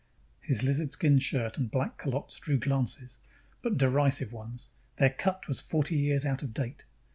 His lizardskin shirt and black culottes drew glances, but derisive ones: their cut was forty years out of date.